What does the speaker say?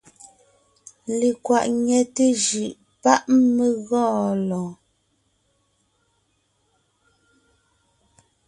Lekwàʼ ńnyɛte jʉʼ páʼ mé gɔɔn lɔɔn.